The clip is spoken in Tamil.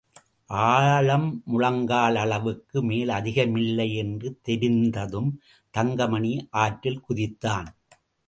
ஆழம் முழங்கால் அளவுக்கு மேல் அதிகம் இல்லை என்று தெரிந்ததும் தங்கமணி ஆற்றில் குதித்தான்.